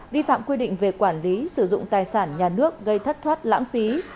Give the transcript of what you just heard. vi phạm quy định về quản lý sử dụng tài sản nhà nước gây thất thoát lãng phí